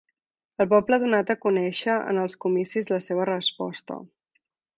El poble ha donat a conèixer en els comicis la seva resposta